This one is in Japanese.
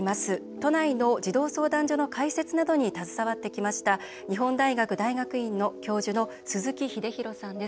都内の児童相談所の開設などに携わってきました日本大学大学院の鈴木秀洋さんです。